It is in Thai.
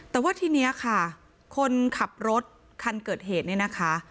แต่ว่าทีนี้ค่ะคนขับรถคันเกิดเหตุเนี่ยนะคะ